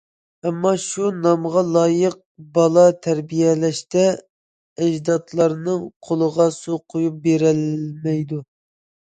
ئەمما، شۇ نامغا لايىق بالا تەربىيەلەشتە ئەجدادلارنىڭ قولىغا سۇ قۇيۇپ بېرەلمەيدۇ.